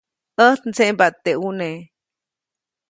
ʼÄjt ndseʼmbaʼt teʼ ʼuneʼ.